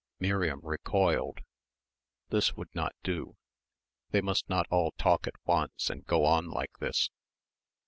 Miriam recoiled. This would not do they must not all talk at once and go on like this.